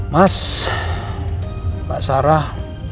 mas mbak sarah